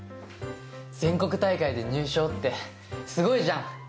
全国大会で入賞ってすごいじゃん！